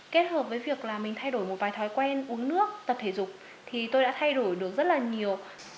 kết hợp với việc là mình thay đổi một vài thói quen uống nước tập thể dục thì tôi đã thay đổi được rất là nhiều